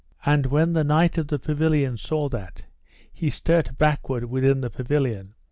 And when the knight of the pavilion saw that, he stert backward within the pavilion.